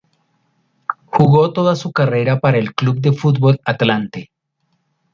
Jugó toda su carrera para el Club de Fútbol Atlante.